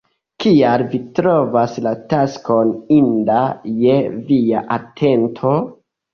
Kial vi trovas la taskon inda je via atento?